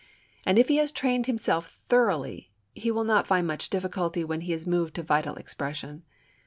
And if he has trained himself thoroughly he will not find much difficulty when he is moved to vital expression.